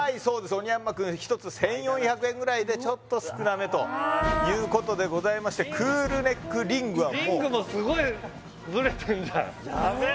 おにやんま君１つ１４００円ぐらいでちょっと少なめということでございましてクールネックリングはもうリングもすごいブレてんじゃんヤベェ！